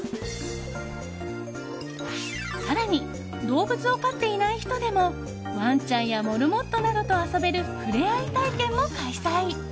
更に、動物を飼っていない人でもワンちゃんやモルモットなどと遊べるふれあい体験も開催。